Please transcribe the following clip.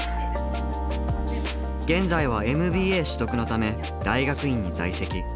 現在はＭＢＡ取得のため大学院に在籍。